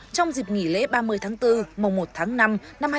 trong dịp nghỉ lễ ba mươi tháng bốn mùa một tháng năm năm hai nghìn hai mươi bốn